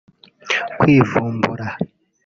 kwivumbura